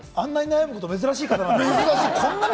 あんなに悩むの珍しい方です。